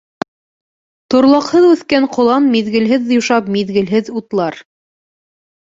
Торлаҡһыҙ үҫкән ҡолан миҙгелһеҙ юшап, миҙгелһеҙ утлар.